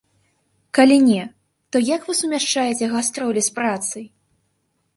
Калі не, то як вы сумяшчаеце гастролі з працай?